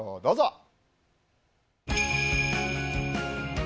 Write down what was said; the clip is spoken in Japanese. どうぞ。